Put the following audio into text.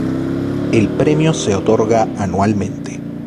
El premio se otorga anualmente.